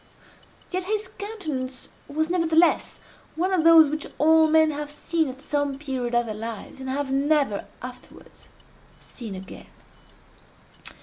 Yet his countenance was, nevertheless, one of those which all men have seen at some period of their lives, and have never afterwards seen again.